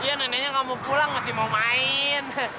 iya neneknya gak mau pulang masih mau main